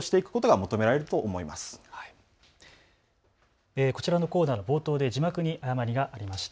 こちらのコーナーの冒頭で字幕に誤りがありました。